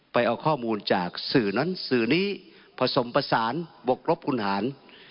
ไปเอาข้อมูลจากสื่อนั้นสื่อนี้ผสมผสานบกรบคุณหาร